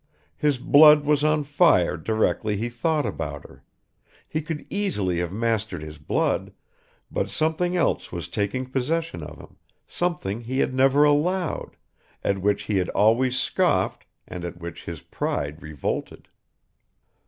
His blood was on fire directly he thought about her; he could easily have mastered bis blood, but something else was taking possession of him, something he had never allowed, at which he had always scoffed and at which his pride revolted.